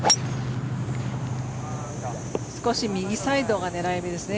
少し右サイドが狙い目ですね。